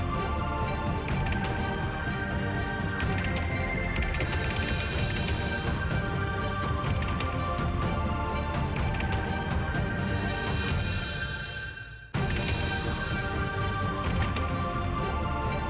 terima kasih pak